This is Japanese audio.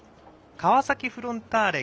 川崎フロンターレ